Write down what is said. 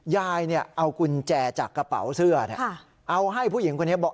ยายเอากุญแจจากกระเป๋าเสื้อเอาให้ผู้หญิงคนนี้บอก